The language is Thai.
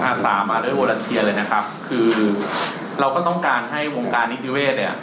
อาสามาด้วยโอลาเชียเลยนะครับคือเราก็ต้องการให้วงการนิติเวศเนี่ย